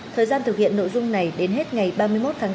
thời gian thực hiện nội dung này đến hết ngày ba mươi một tháng bốn